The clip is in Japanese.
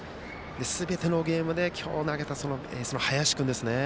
すべてのゲームで今日投げた林君ですね。